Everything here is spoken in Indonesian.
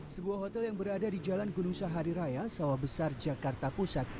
sebuah hotel yang berada di jalan gunung sahari raya sawah besar jakarta pusat